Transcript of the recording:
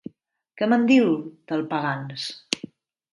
Què me'n diu del Pagans?